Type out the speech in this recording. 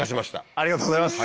ありがとうございます。